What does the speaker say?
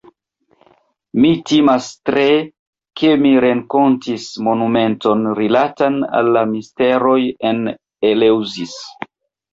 Mi timas tre, ke mi renkontis monumenton rilatan al la misteroj en Eleŭzis.